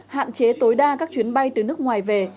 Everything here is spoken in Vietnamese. hạn chế tối đa các chuyến bay từ nước ngoài về